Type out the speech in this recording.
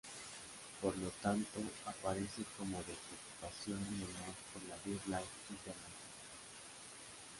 Por lo tanto aparece como de Preocupación Menor por la BirdLife International.